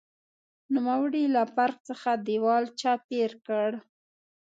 نوموړي له پارک څخه دېوال چاپېر کړ.